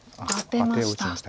アテを打ちました。